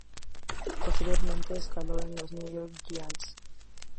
Posteriormente, escaló en los New York Giants.